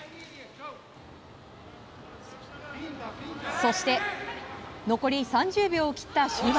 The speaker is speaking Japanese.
そして、残り３０秒を切った終盤。